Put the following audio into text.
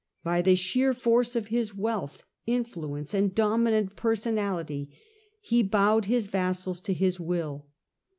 By the sheer force of his wealth, influence, and dominant personality he bowed his vassals to his will.